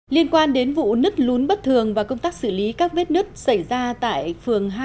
liên quan đến vụ nứt lún bất thường và công tác xử lý các vết nứt xảy ra tại phường hai